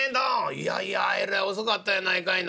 「いやいやえらい遅かったやないかいな。